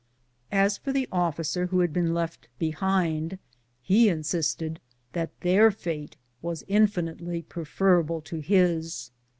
As to the officer who had been left behind, he in sisted that their fate was infinitely preferable to his.